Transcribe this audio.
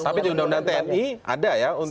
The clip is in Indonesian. tapi di undang undang tni ada ya